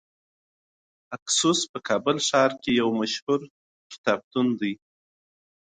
اکسوس په کابل ښار کې یو مشهور کتابتون دی .